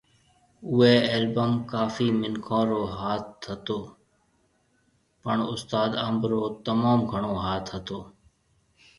اوئي البم ڪافي منکون رو ھاٿ ھتو پڻ استاد انب رو تموم گھڻو ھاٿ ھتو